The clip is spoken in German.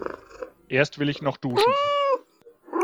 Erst will ich noch duschen.